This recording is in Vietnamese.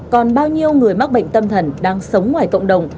còn bao nhiêu người mắc bệnh tâm thần đang sống ngoài cộng đồng